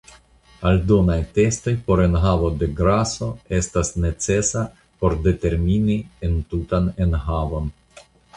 Aldonaj testoj por enhavo de graso estas necesa por determini entutan enhavon.